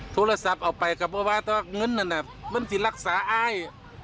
โทรศัพท์เอาไปก็เพราะว่าต้องเอาเงินนั่นนะมันสิรักษาอ้าย